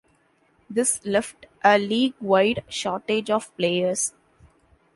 This left a league-wide shortage of players.